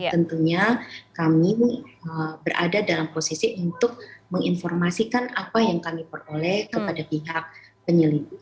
tentunya kami berada dalam posisi untuk menginformasikan apa yang kami peroleh kepada pihak penyelidik